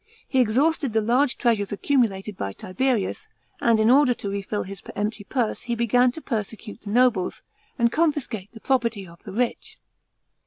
He exhausted the large treasures accumulated by Tiberius, and in order to refill his empty purse, he began to persecute the nobles, and confiscate the property of the rich.